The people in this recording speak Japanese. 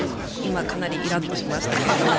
今かなりイラッとしましたけれども。